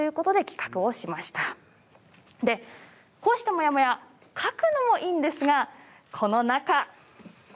こうしたモヤモヤ書くのもいいんですがこの中。